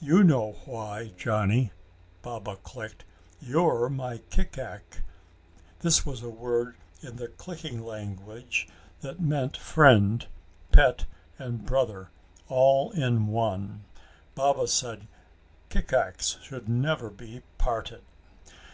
"You know why, Johnny," Baba clicked. "You're my kikac." This was a word in the clicking language that meant friend, pet and brother, all in one. Baba said kikacs should never be parted.